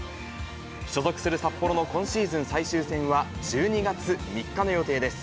所属する札幌の今シーズン最終戦は、１２月３日の予定です。